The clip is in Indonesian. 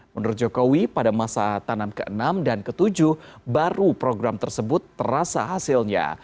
menurut jokowi pada masa tanam ke enam dan ke tujuh baru program tersebut terasa hasilnya